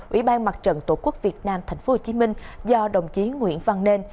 ủy ban mặt trận tổ quốc việt nam thành phố hồ chí minh do đồng chí nguyễn văn nên